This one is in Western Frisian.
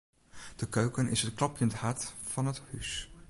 De keuken is it klopjend hart fan it hús.